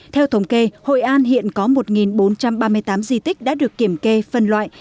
theo thống kê hội an hiện có một bốn trăm ba mươi tám di tích đã được kiểm kê phân loại